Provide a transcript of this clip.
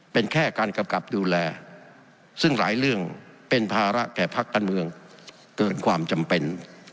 เป็นแค่การกำกับดูแลซึ่งหลายเรื่องเป็นภาระแก่พักการเมืองเกินความจำเป็น